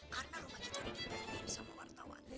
karena lo bagi jodoh di bumi sama wartawan